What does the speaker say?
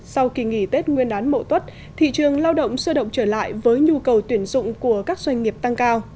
sau kỳ nghỉ tết nguyên đán mộ tốt thị trường lao động sơ động trở lại với nhu cầu tuyển dụng của các doanh nghiệp tăng cao